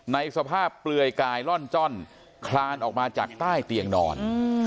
ในสภาพเปลือยกายล่อนจ้อนคลานออกมาจากใต้เตียงนอน